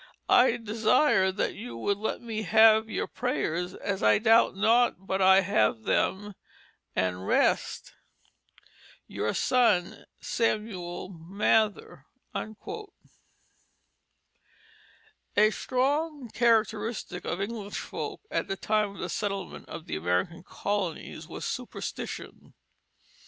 I desire that you would let me have your prayers as I doubt not but I have them, and rest "Your Son, SAMUEL MATHER." A strong characteristic of English folk at the time of the settlement of the American colonies was superstition.